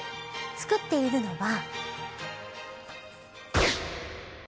作っているのは。